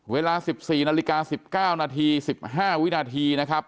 เวลา๑๔นาฬิกา๑๙นาที๑๕วินาทีนะครับ